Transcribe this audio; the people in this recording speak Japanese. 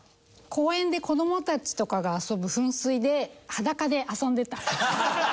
公園で子どもたちとかが遊ぶ噴水で裸で遊んでた。